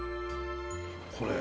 これ。